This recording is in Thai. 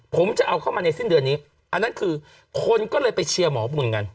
ผมจะเอาเข้ามาในสิ้นเดือนนี้อันนั้นคือคนก็เลยไปเชียร์หมอบุญกัน